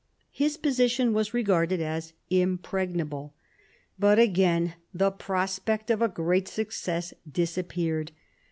His position was regarded as impregnable. But again the prospect of a great success disappeared.